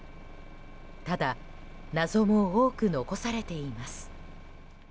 ただ、謎も多く残されています。